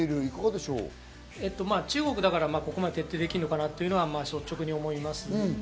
中国だからここまで徹底できるのかなというのが率直に思います。